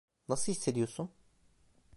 Nasıl hissediyorsun?